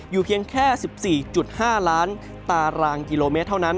เพียงแค่๑๔๕ล้านตารางกิโลเมตรเท่านั้น